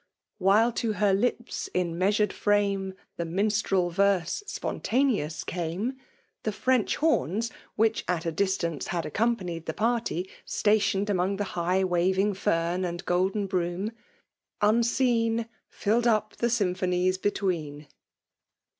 183 ^ While to kerlifpi^ in measimd tam9, The minstrel vene spontaoeous camey" the French horns, which at a distance had accompanied the party, stationed among the high waving fern and golden broom. ^'^umetn. Fill'd up the symphonies between.